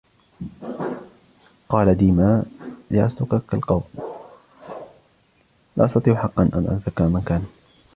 قال ديما: " لأصدقك القول ، لا أستطيع حقا أن أتذكر من كانوا... "